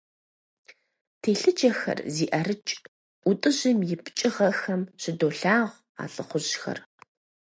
Телъыджэхэр зи ӀэрыкӀ ӀутӀыжым и пкӀыгъэхэм щыдолъагъу а лӀыхъужьхэр.